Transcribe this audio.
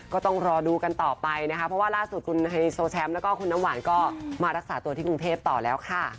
ก็ต้องรอดูกันต่อไปนะคะเพราะว่าล่าสุดคุณไฮโซแชมป์แล้วก็คุณน้ำหวานก็มารักษาตัวที่กรุงเทพต่อแล้วค่ะ